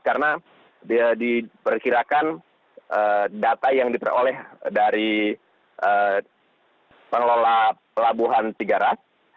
karena diperkirakan data yang diperoleh dari pengelola pelabuhan tiga ras